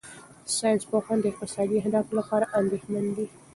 ساینسپوهان د اقتصادي اهدافو لپاره اندېښمن دي.